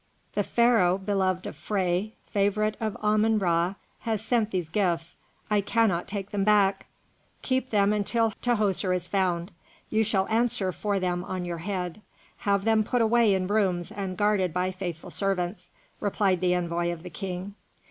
"The Pharaoh beloved of Phré, favourite of Ammon Ra, has sent these gifts, I cannot take them back. Keep them until Tahoser is found. You shall answer for them on your head. Have them put away in rooms and guarded by faithful servants," replied the envoy of the King.